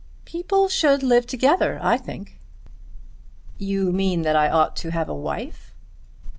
"People should live together, I think." "You mean that I ought to have a wife?"